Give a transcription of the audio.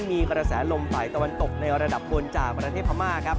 มีกระแสลมฝ่ายตะวันตกในระดับบนจากประเทศพม่าครับ